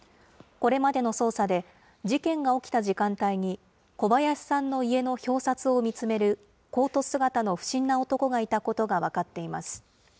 これまでの捜査で、事件が起きた時間帯に、小林さんの家の表札を見つめる、コート姿の不審な男がいたことが分かっています。